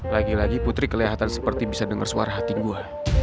lagi lagi putri kelihatan seperti bisa dengar suara hati gue